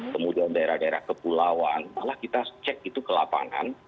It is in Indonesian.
kemudian daerah daerah kepulauan malah kita cek itu kelapanan